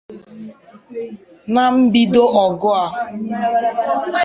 N’ambido ọgụ a